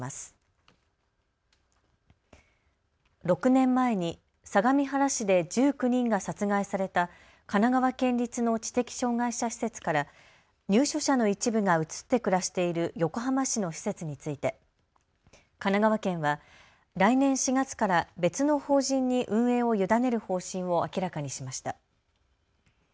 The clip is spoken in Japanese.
６年前に相模原市で１９人が殺害された神奈川県立の知的障害者施設から入所者の一部が移って暮らしている横浜市の施設について神奈川県は来年４月から別の法人に運営を委ねる方針を明らかにしました。